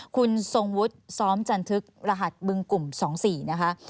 คุณทรงวุฒิซ้อมจันทึกรหัสบึงกลุ่ม๒๔นะคะ